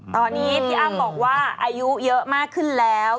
ตอนนี้พี่อ้ำบอกว่าอายุเยอะมากขึ้นแล้ว